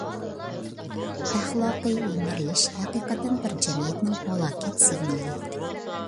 ئەخلاقىي يىمىرىلىش ھەقىقەتەن بىر جەمئىيەتنىڭ ھالاكەت سىگنالى.